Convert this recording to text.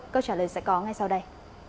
câu trả lời sẽ có ngay sau đây